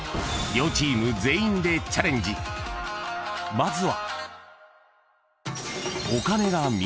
［まずは］